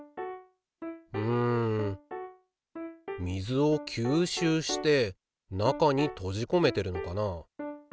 うん水を吸収して中に閉じこめてるのかな。